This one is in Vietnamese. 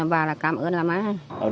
bà là cảm ơn là mát